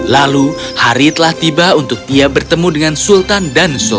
lalu hari ketika saya lelapiskan punya potongan madu